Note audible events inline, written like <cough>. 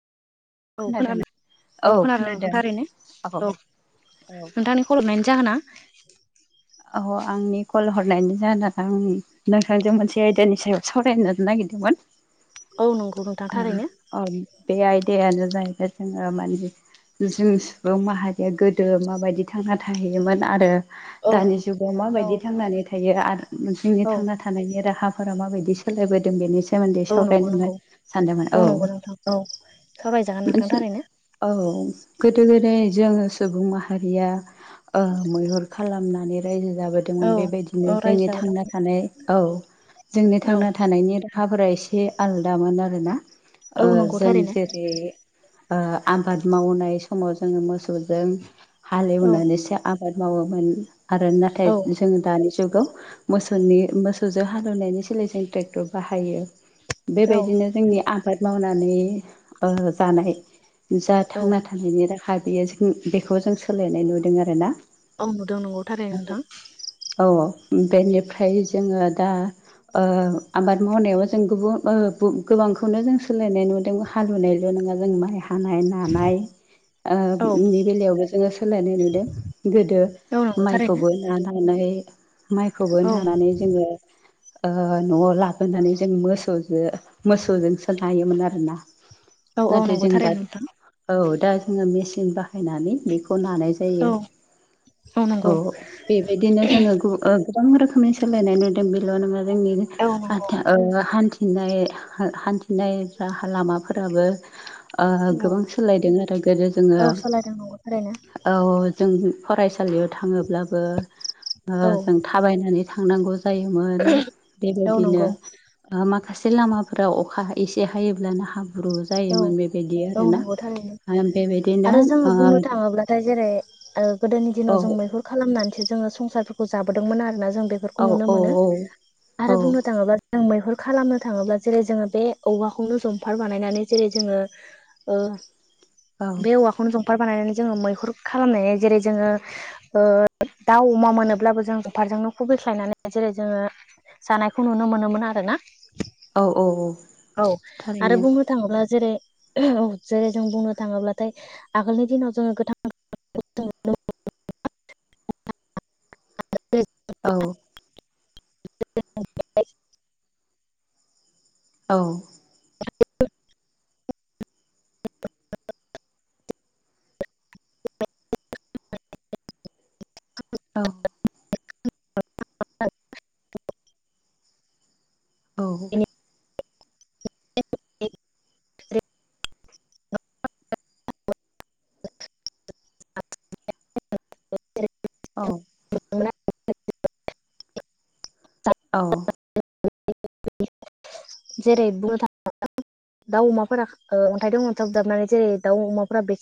औ खोनादों औ खोनादों नोंथां ओरैनो औ नोंथांनि खल हरनायनि जाहोना। अ आंनि कल हरनायनायनि जाहोनानो नोंथांजों मोनसे आयदानि सायाव सावरायनो नागिरदोंमोन। औ नंगौ नों औ बे आयदायानो जाहैबाय जोङो माने जों सुबुं माहारिया गोदो माबायदि थांना थाहैयोमोन आरो औ दानि जुगाव औ माबायदि थांनानै थायो आरो मोनसे औ थांना थानायनि राहाफोरा माबायदि सोलायबोदों बेनि सोमोन्दै औ नंगौ नंगौ सावरायनोमोन। औ नंगौ नोंथां औ सावरायजागोन नोंथां मोनसे थारैनो। औ गोदो गोदाय जोङो सुबुं माहारिया ओ मैहुर खालामनानै रायजो औ जाबोदोंमोन बेबायदिनो औ जोंनि रायजो थांना थानाय औ। जोंनि जागोन औ थांना थानायनि राहाफोरा एसे आलदामोन आरोना ओ औ नंगौ जों थारैनो जे जै आबाद मावनाय समाव जोङो मोसौजों औ हालेवनानैसो आबाद मावोमोन आरो नाथाय औ जोङो दानि जुगाव मोसौनि मोसौजों हालौवनायनि सोलाय जों ट्रेक्टर बाहायो। औ बेबायदिनो जोंनि आबाद मावनानै जानाय जा औ थांना थानाय <unintelligible> राहा बियो जों बेखौ जों सोलायनाय नुदों आरोना। औ नुदों नंगौ थारैनो नोंथां। औ औ बेनिफ्राय जोङो दा ओ आबाद मावनायाव जों गुबु ओ बु गोबांखौनो जों सोलायनाय नुदों हालेवनायल' नङा जों माइ हानाय नानाय ओ औ नि बेलायावबो जोङो सोलायनाय नुदों गोदो औ नंगौ थारैनो माइखौबो नानानै माइखौबो औ नानानै जोङो ओ न'आव लाबोनानै जों मोसौजो मोसौजोंसो नायोमोन आरोना औ औ नाथाय नंगौ जों दा थारैनो नोंथां औ दा जोङो मेसिन बाहायनानै बेखौ नानाय औ जायो औ। बेबायदिनो जोङो गु ओ गोबां रोखोमनि सोलायनाय नुदों बेल' नङा जोंनि औ नंगौ आथा ओ हान्थिनाय हान्थिनाय राहा लामाफोराबो ओ औ गोबां सोलायदों आरो गोदो जोङो औ सालायदों नंगौ थारैनो औ जों फरायसालियाव थाङोब्लाबो औ ओ जों थाबायनानै थांनांगौ जायोमोन औ बेबायदिनो नंगौ ओ माखासे लामा फोराव अखा एसे हायोब्लानो हाब ब्रु औ जायोमोन बेबायदि औ आरोना नंगौ थारैनो ओ बेबायदिनो ओ अब्लाथाय जेरै ओ गोदोनि दिनाव औ जों मैहुर खालामनानैसो जोङो संसारफोरखौ जाबोदोंमोन आरोना जों बे फोरखौ नुनो मोनो औ आरो बुंनो थाङोबा जों मैहुर खालामनो थाङोब्ला जेरै जोङो बे औवाखौनो जंफार बानायनानै जेरै जोङो ओ औ बे औवा खौनो जंफार बानायनानै जोङो मैहुर खालामनाय जेरै जोङो ओ दाउ अमा मोनाब्लाबो जों जंफारजोंनो खुबैख्लायनानै जेरै जोङो जानायखौ नुनो मोनोमोन आरोना औ औ औ आरो थारैनो बुंनो थाङोब्ला जेरै जेरै जों बुंनो थाङोब्लाथाय आगोलनि दिनाव जोङो गोथां <inaudible> <inaudible> औ <inaudible> औ <inaudible> औ <inaudible> औ <inaudible> औ <inaudible> औ <inaudible> जेरै बुंनो <inaudible> दाउ अमाफोरा ओ अन्थाइदों अन्थाइ बुजाबनानै जेरै दाउ अमाफोरा बे